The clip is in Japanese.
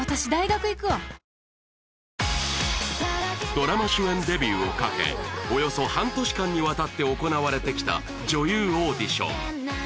ドラマ主演デビューをかけおよそ半年間にわたって行われてきた女優オーディション